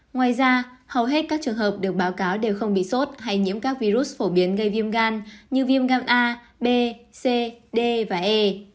ngoài ra hầu hết các trường hợp được báo cáo đều không bị sốt hay nhiễm các virus phổ biến gây viêm gan như viêm gan a b c d và e